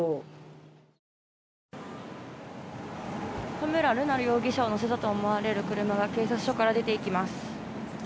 田村瑠奈容疑者を乗せたと思われる車が警察署から出ていきます。